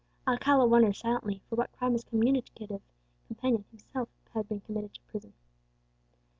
Alcala wondered silently for what crime his communicative companion had himself been committed to prison.